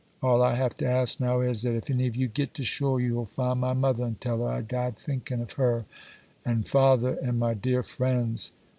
All I have to ask now is, that if any of you git to shore, you'll find my mother and tell her I died thinkin' of her and father and my dear friends."